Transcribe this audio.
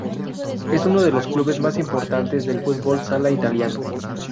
Es uno de los clubes más importantes del fútbol sala italiano.